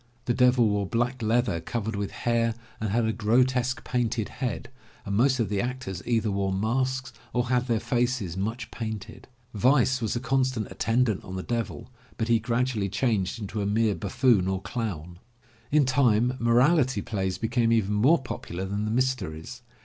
The Devil wore black leather covered with hair and had a grotesque painted head, and most of the actors either wore masks or had their faces much painted. Vice was a constant attendant on the Devil, but he gradually changed into a mere buffoon or clown. In time moral ity plays became even more popular than the mysteries.